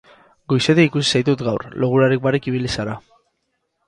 Goizetik ikusi zaitut gaur, logurarik barik ibili zara.